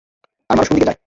আর মানুষ কোনদিকে যায়?